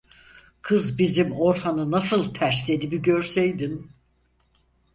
Kız bizim Orhan'ı nasıl tersledi, bir görseydin…